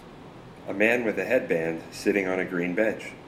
A man with a headband sitting on a green bench.